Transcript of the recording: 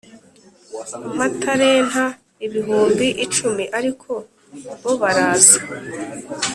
amatalenta ibihumbi icumi ariko bo baraza